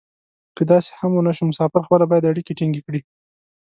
که داسې هم و نه شو مسافر خپله باید اړیکې ټینګې کړي.